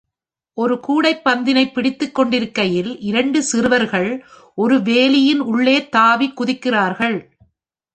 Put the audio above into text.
ஒரு கூடைப் பந்தினை பிடித்துக் கொண்டிருக்கையில் இரண்டு சிறுவர்கள் ஒரு வேலியின் உள்ளே தாவி குதிக்கிறார்கள்.